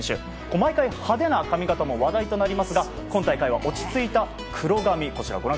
毎回、派手な髪形も話題となりますが今大会は落ち着いた黒髪。